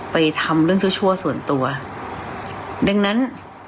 ไปทำเรื่องชั่วชั่วส่วนตัวดังนั้น